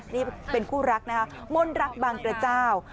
นี่เป็นคู่รักนะครับมนตร์รักบังเกอร์เจ้า